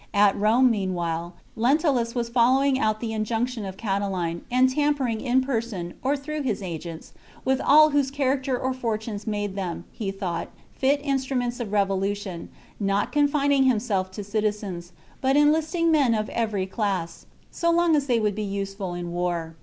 At Rome, meantime, Lentulus was following out the injunction of Catiline, afnd tampering in person, or through his agents, with all whose character or fortunes made them, he thought, fit instruments of revolution, not confining himself to citizens, but enlisting meri of every class, so long as they would be useful in war.